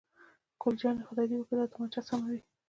ګل جانې: خدای دې وکړي چې دا تومانچه سمه وي.